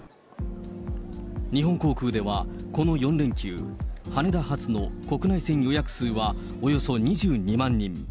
日本航空ではこの４連休、羽田発の国内線予約数はおよそ２２万人。